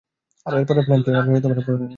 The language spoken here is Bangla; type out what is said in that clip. আর এরপরের প্ল্যান কী?